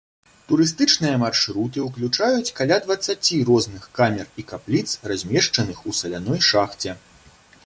Турыстычныя маршруты ўключаюць каля дваццаці розных камер і капліц, размешчаных у саляной шахце.